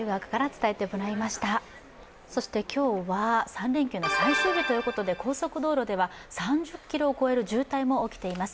そして今日は３連休の最終日ということで高速道路では３０ｋｍを超える渋滞も起きています。